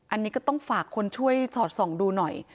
อันนี้ก็ต้องฝากคนช่วยสอดส่องดูหน่อย